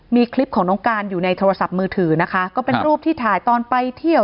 มีคลิปของน้องการอยู่ในโทรศัพท์มือถือนะคะก็เป็นรูปที่ถ่ายตอนไปเที่ยว